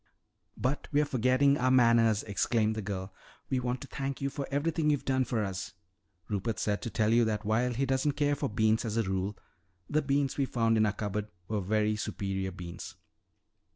"But we're forgetting our manners!" exclaimed the girl. "We want to thank you for everything you've done for us. Rupert said to tell you that while he doesn't care for beans as a rule, the beans we found in our cupboard were very superior beans."